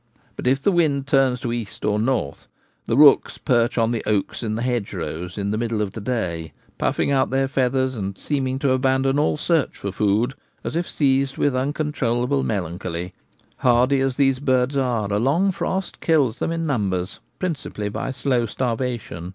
But, if the wind turns to east or north, the rooks perch on the oaks in the hedgerows in the middle of the day, puffing out their feathers and seem ing to abandon all search for food as if seized with uncontrollable melancholy. Hardy as these birds are, a long frost kills them in numbers, principally by slow starvation.